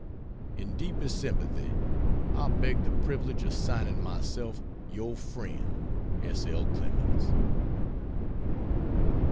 In deepest sympathy I beg the privilege of signing myself Your friend, S. L. CLEMENS.